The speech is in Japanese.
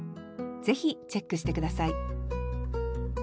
ぜひチェックして下さい